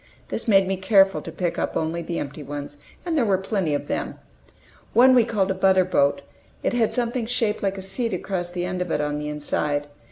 This made me careful to pick up only the empty ones, and there were plenty of them. One we called a "butterboat"; it had something shaped like a seat across the end of it on the inside.